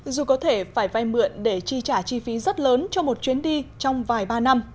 dù có thể phải vay mượn để chi trả chi phí rất lớn cho một chuyến đi trong vài ba năm